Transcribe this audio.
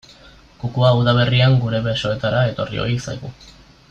Kukua udaberrian gure basoetara etorri ohi zaigu.